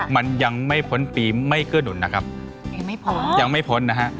มันยังไม่พ้นปีไม่เกื้อหนุนนะครับยังไม่พ้นยังไม่พ้นนะฮะ